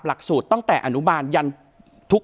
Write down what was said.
หลักสูตรตั้งแต่อนุบาลยันทุก